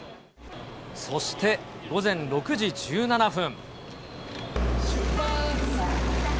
そして、午前６時１７分。